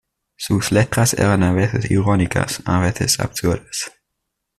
Sus letras eran a veces irónicas, a veces absurdas.